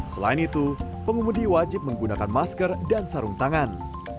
selain itu pengemudi wajib menggunakan masker dan sarung tangan